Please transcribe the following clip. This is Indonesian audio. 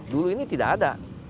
dulu ini tidak ada